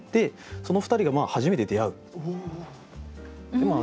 その２人が初めて出会う。